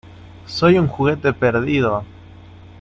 ¡ Soy un juguete perdido!